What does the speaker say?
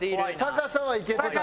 高さはいけてたね。